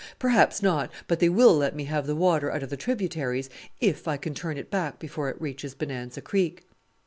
"Perhaps not; but they will let me have the water out of the tributaries if I can turn it back before it reaches Bonanza Creek."